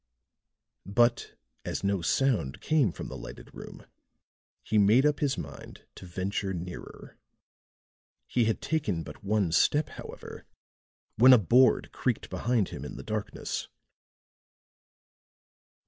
But as no sound came from the lighted room, he made up his mind to venture nearer. He had taken but one step, however, when a board creaked behind him in the darkness.